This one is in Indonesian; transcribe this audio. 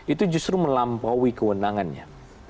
itu justru melampaui kewenangannya